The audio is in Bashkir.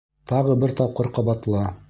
Тағы бер тапҡыр ҡабатла